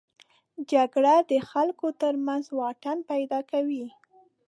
جګړه د خلکو تر منځ واټن پیدا کوي